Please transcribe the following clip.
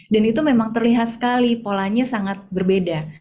dan itu memang terlihat sekali polanya sangat berbeda